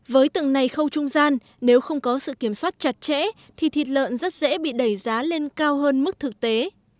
với từng này khâu trung gian nếu không có sự kiểm soát chặt chẽ thì thịt lợn rất dễ bị đẩy giá lên cao hơn mức thực tế